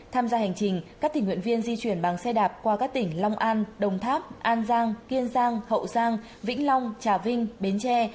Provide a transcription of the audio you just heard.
tham gia hành trình các tình nguyện viên di chuyển bằng xe đạp qua các tỉnh long an đồng tháp an giang kiên giang hậu giang vĩnh long trà vinh bến tre